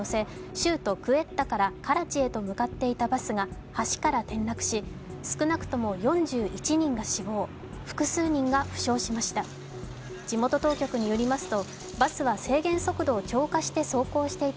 州都クエッタからカラチへと向かっていたバスが橋から転落し、少なくとも４１人が死亡、複数人が負傷しました。